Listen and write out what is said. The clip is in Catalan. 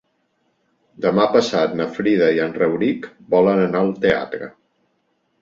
Demà passat na Frida i en Rauric volen anar al teatre.